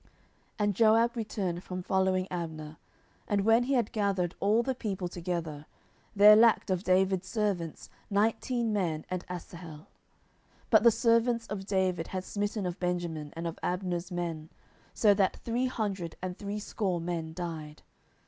10:002:030 And Joab returned from following Abner: and when he had gathered all the people together, there lacked of David's servants nineteen men and Asahel. 10:002:031 But the servants of David had smitten of Benjamin, and of Abner's men, so that three hundred and threescore men died.